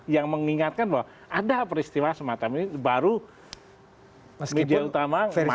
yang mengingatkan bahwa ada peristiwa semacam ini baru media utama mengatakan